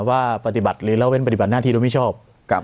ว่าปฏิบัติหรือละเว้นปฏิบัติหน้าที่โดยมิชอบ